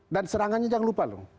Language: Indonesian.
dan serangannya jangan lupa loh